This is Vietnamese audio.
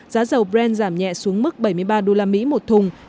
giá dầu brent giảm nhẹ xuống mức bảy mươi ba đô la mỹ một thùng